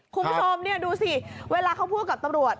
คุณผู้ชมนี่ดูสิเวลาเขาพูดกับตำรวจ